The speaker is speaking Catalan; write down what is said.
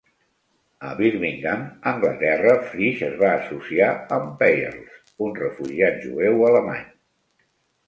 A Birmingham, Anglaterra, Frisch es va associar amb Peierls, un refugiat jueu alemany.